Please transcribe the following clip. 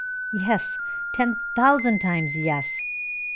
"Yes; ten thousand times yes!